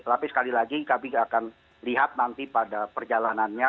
tapi sekali lagi kami akan lihat nanti pada perjalanannya